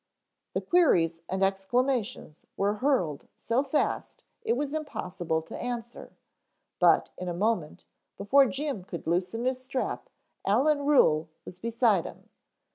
The queries and exclamations were hurled so fast it was impossible to answer, but in a moment, before Jim could loosen his strap, Allen Ruhel was beside him.